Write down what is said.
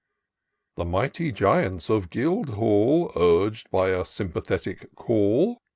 The mighty Giants of Guildhall, Urg'd by a sympathetic call.